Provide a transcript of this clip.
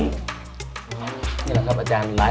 นี่แหละครับอาจารย์